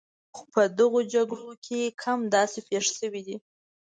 خو په دغو جګړو کې کم داسې پېښ شوي دي.